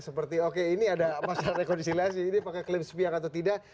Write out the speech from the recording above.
seperti oke ini ada masalah rekonsiliasi ini pakai klaim sepihak atau tidak